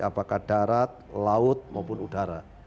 apakah darat laut maupun udara